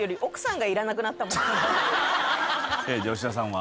じゃ吉田さんは？